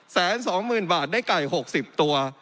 แสนสองหมื่นบาทได้ไก่๖๐ตัว